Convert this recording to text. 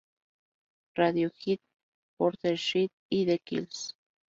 Radiohead, Portishead y The Kills.